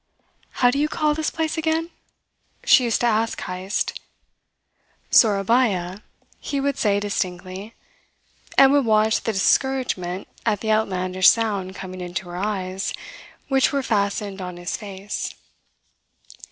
"How do you call this place again?" she used to ask Heyst. "Sourabaya," he would say distinctly, and would watch the discouragement at the outlandish sound coming into her eyes, which were fastened on his face.